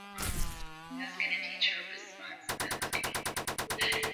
chama hichoakikitenganisha na utawala wa Banda aliyeongoza kwa mkono wa chuma na kukipa